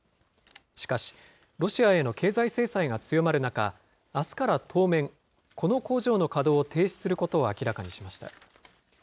しかし、ロシアへの経済制裁が強まる中、あすから当面、この工場の稼働を停止することを明らかにしました。